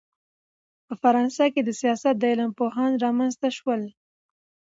په فرانسه کښي دسیاست د علم پوهان رامنځ ته سول.